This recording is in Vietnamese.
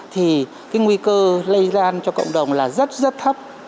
thì cái nguy cơ lây lan cho cộng đồng là rất rất thấp